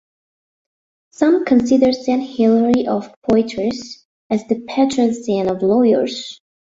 Some consider Saint Hilary of Poitiers as the patron saint of lawyers.